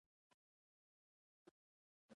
لوند لنده لندې لندو